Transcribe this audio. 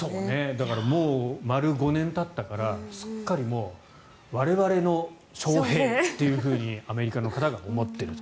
だから、丸５年たったからすっかりもう我々のショウヘイというふうにアメリカの方が思っていると。